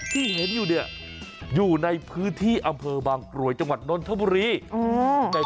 ที่เห็นอยู่เนี่ยอยู่ในพื้นที่อำเภอบางกรวยจังหวัดนนทบุรี